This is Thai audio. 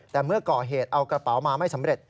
แต่เมื่อก่อเหตุเอากระเป๋ามาไม่สำเร็จ